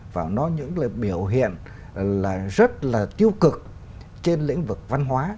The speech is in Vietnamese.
và nó những là biểu hiện là rất là tiêu cực trên lĩnh vực văn hóa